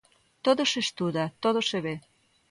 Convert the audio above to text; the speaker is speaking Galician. Todo se estuda, todo se ve.